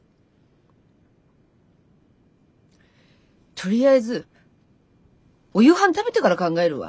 とりあえずお夕飯食べてから考えるわ。